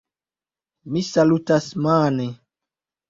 Mi salutas mane.